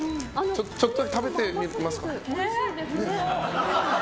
ちょっとだけ食べてみますか？